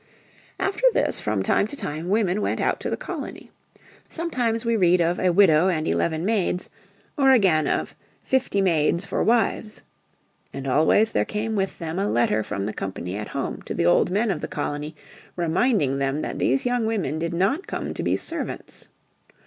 After this from time to time women went out to the colony. Sometimes we read of "a widow and eleven maids," or again of "fifty maids for wives." And always there came with them a letter from the company at home to the old men of the colony reminding them that these young women did not come to be servants.